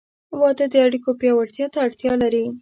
• واده د اړیکو پیاوړتیا ته اړتیا لري.